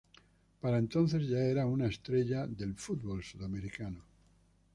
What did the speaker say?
Para entonces ya era una estrella del fútbol sudamericano.